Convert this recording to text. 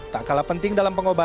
tak kalah penting dalam pengobatan